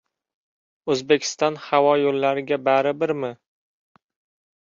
«O‘zbekiston havo yo‘llari»ga baribirmi?!